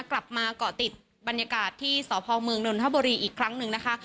เกาะติดบรรยากาศที่สพเมืองนนทบุรีอีกครั้งหนึ่งนะคะ